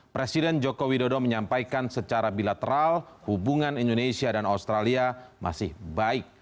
presiden joko widodo menyampaikan secara bilateral hubungan indonesia dan australia masih baik